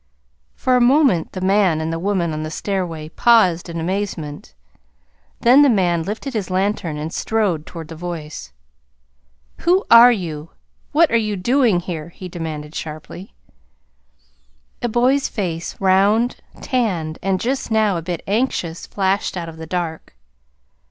For a moment the man and the woman on the stairway paused in amazement, then the man lifted his lantern and strode toward the voice. "Who are you? What are you doing here?" he demanded sharply. A boy's face, round, tanned, and just now a bit anxious, flashed out of the dark.